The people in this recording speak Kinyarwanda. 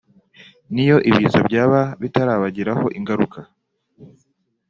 n’iyo ibiza byaba bitarabagiraho ingaruka